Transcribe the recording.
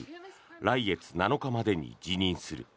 来月７日までに辞任する。